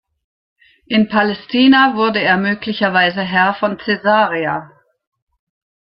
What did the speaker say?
In Palästina wurde er möglicherweise Herr von Caesarea.